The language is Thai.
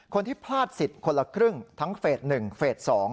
คนที่พลาดสิทธิ์คนละครึ่งทั้งเฟส๑เฟส๒